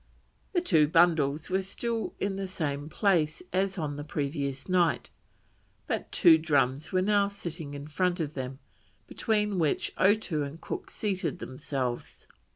The two bundles were still in the same place as on the previous night, but two drums were now standing in front of them between which Otoo and Cook seated themselves.